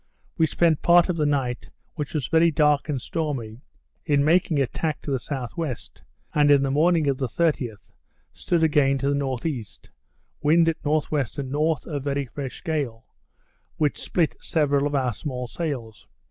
We spent part of the night, which was very dark and stormy, in making a tack to the S.W., and in the morning of the 30th, stood again to the N.E., wind at N.W. and N., a very fresh gale; which split several of our small sails.